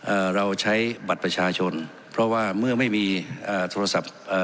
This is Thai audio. อ่าเราใช้บัตรประชาชนเพราะว่าเมื่อไม่มีอ่าโทรศัพท์เอ่อ